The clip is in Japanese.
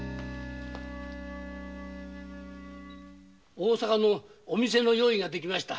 大坂のお店の用意ができました。